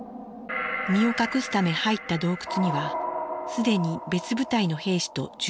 身を隠すため入った洞窟には既に別部隊の兵士と住民がいました。